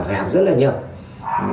phải học rất là nhiều